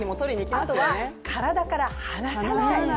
あとは体から離さない。